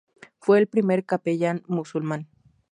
Fue el primer capellán musulmán.